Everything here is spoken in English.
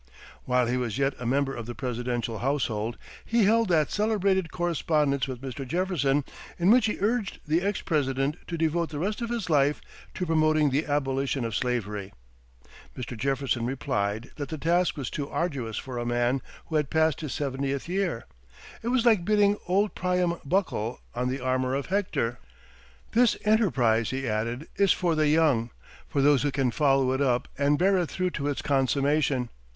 While he was yet a member of the presidential household, he held that celebrated correspondence with Mr. Jefferson, in which he urged the ex President to devote the rest of his life to promoting the abolition of slavery. Mr. Jefferson replied that the task was too arduous for a man who had passed his seventieth year. It was like bidding old Priam buckle on the armor of Hector. "This enterprise," he added, "is for the young, for those who can follow it up and bear it through to its consummation.